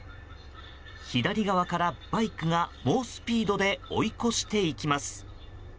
左側からバイクが猛スピードで追い越していきます。